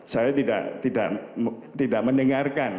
saya tidak mendengarkan